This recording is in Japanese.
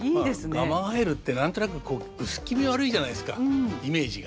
まあガマガエルって何となくこう薄気味悪いじゃないですかイメージが。